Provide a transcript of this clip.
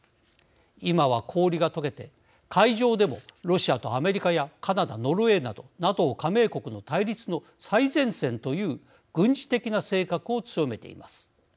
今は氷がとけて、海上でもロシアとアメリカやカナダノルウェーなどＮＡＴＯ加盟国の対立の最前線という軍事的な性格を強めています。